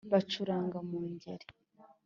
. Bacuranga mu Ngeri